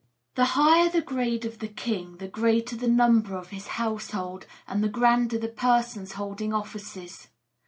The higher the grade of the king the greater the number of his household, and the grander the persons holding offices.